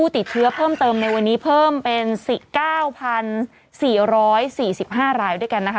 ติดเชื้อเพิ่มเติมในวันนี้เพิ่มเป็น๑๙๔๔๕รายด้วยกันนะคะ